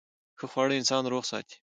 ښه خواړه انسان روغ ساتي.